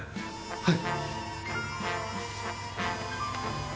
はい。